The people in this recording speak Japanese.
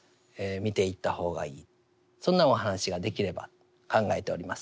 そんなお話ができればと考えております。